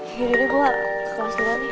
yaudah deh gue ke kelas dulu aja